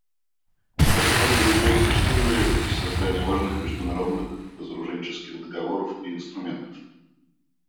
Этот орган имеет почтенную летопись создания важных международных разоруженческих договоров и инструментов.